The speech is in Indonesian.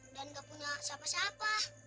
dan gak punya siapa siapa